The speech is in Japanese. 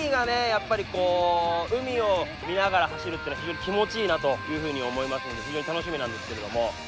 やっぱりこう海を見ながら走るっていうのは非常に気持ちいいなというふうに思いますので非常に楽しみなんですけれども。